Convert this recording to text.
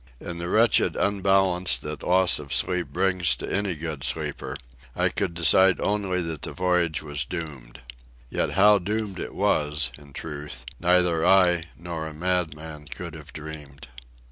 In the wretched unbalance that loss of sleep brings to any good sleeper, I could decide only that the voyage was doomed. Yet how doomed it was, in truth, neither I nor a madman could have dreamed.